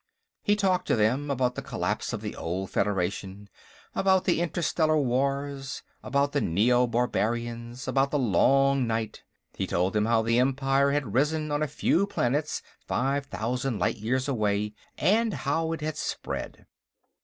He talked to them, about the collapse of the old Federation, about the interstellar wars, about the Neobarbarians, about the long night. He told them how the Empire had risen on a few planets five thousand light years away, and how it had spread.